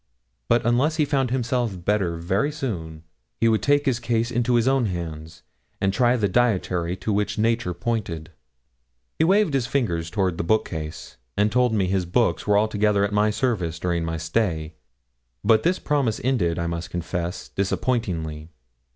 But unless he found himself better very soon, he would take his case into his own hands, and try the dietary to which nature pointed. He waved his fingers toward his bookcases, and told me his books were altogether at my service during my stay; but this promise ended, I must confess, disappointingly.